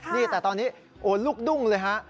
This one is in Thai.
นี่แต่ตอนนี้โอ้ลูกดุ้งเลยฮะ